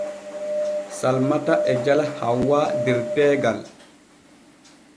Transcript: Salmata e jala Hawwq der teegal.